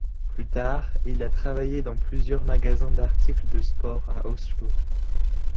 Plus tard, il a travaillé dans plusieurs magasins d'articles de sport à Oslo.